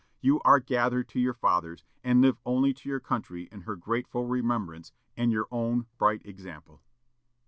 You are gathered to your fathers, and live only to your country in her grateful remembrance and your own bright example."